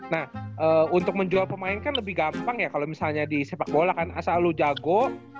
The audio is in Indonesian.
nah untuk menjual pemain kan lebih gampang ya kalo misalnya disepak bola kan asal lu jago